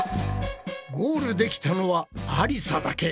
ゴールできたのはありさだけ。